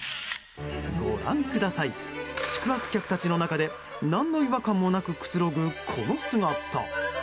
ご覧ください、宿泊客たちの中で何の違和感もなくくつろぐ、この姿。